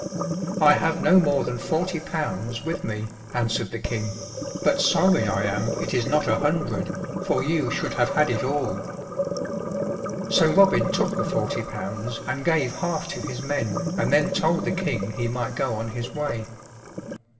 "I have no more than forty pounds with me," answered the King, "but sorry I am it is not a hundred, for you should have had it all." So Robin took the forty pounds, and gave half to his men, and then told the King he might go on his way.